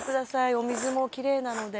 「お水もきれいなので」